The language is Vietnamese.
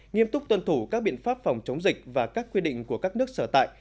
nghiêm túc tuân thủ các biện pháp phòng chống dịch và các quy định của các nước sở tại